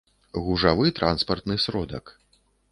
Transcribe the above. гужавы транспартны сродак